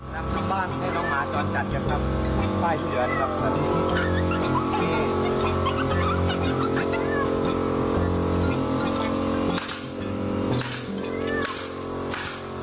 น้ำข้างบ้านให้น้องหมาจอดจัดกันครับป้ายเสือนะครับ